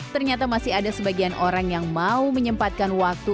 ternyata masih ada sebagian orang yang mau menyempatkan waktu